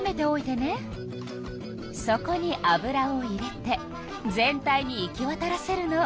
そこに油を入れて全体に行きわたらせるの。